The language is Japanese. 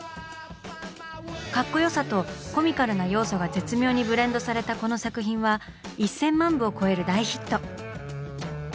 カッコよさとコミカルな要素が絶妙にブレンドされたこの作品は１千万部を超える大ヒット。